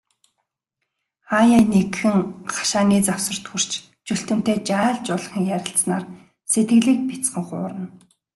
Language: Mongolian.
Хааяа нэгхэн, хашааны завсарт хүрч, Чүлтэмтэй жаал жуулхан ярилцсанаар сэтгэлийг бяцхан хуурна.